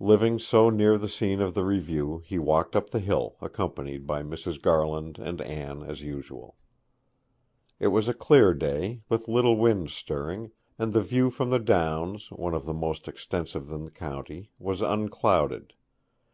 Living so near the scene of the review he walked up the hill, accompanied by Mrs. Garland and Anne as usual. It was a clear day, with little wind stirring, and the view from the downs, one of the most extensive in the county, was unclouded.